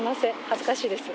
恥ずかしいです。